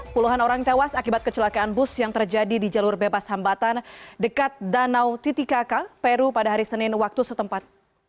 puluhan orang tewas akibat kecelakaan bus yang terjadi di jalur bebas hambatan dekat danau titikaka peru pada hari senin waktu setempat